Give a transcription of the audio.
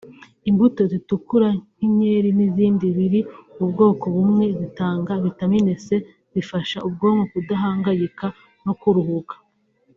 Imbuto zitukura nk’inkeri n’izindi biri mu bwoko bumwe zitanga vitamini C zifasha ubwonko kudahangayika no kuruhuka